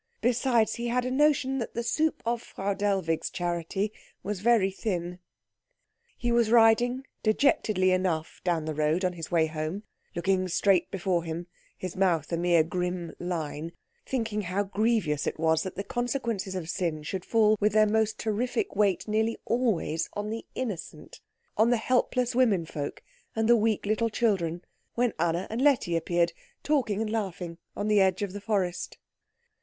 Besides, he had a notion that the soup of Frau Dellwig's charity was very thin. He was riding dejectedly enough down the road on his way home, looking straight before him, his mouth a mere grim line, thinking how grievous it was that the consequences of sin should fall with their most terrific weight nearly always on the innocent, on the helpless women folk and the weak little children, when Anna and Letty appeared, talking and laughing, on the edge of the forest.